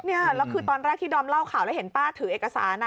นี่แล้วคือตอนแรกที่ดอมเล่าข่าวแล้วเห็นป้าถือเอกสาร